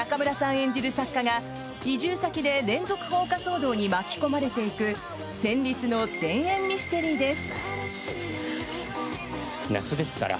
演じる作家が移住先で連続放火騒動に巻き込まれていく戦慄の田園ミステリーです。